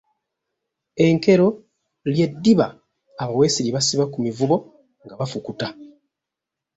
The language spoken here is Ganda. Enkero ly’eddiba abaweesi lye basiba ku mivubo nga bafukuta.